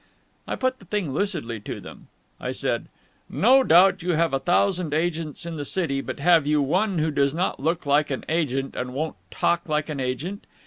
I put the thing lucidly to them. I said, 'No doubt you have a thousand agents in the city, but have you one who does not look like an agent and won't talk like an agent?